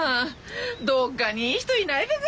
どっかにいい人いないべか？